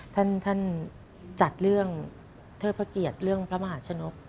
ท่านจัดเรื่องเทิดพระเกียรติเรื่องพระมหาชนก